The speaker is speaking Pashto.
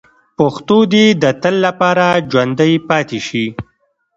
پښتو دې د تل لپاره ژوندۍ پاتې شي.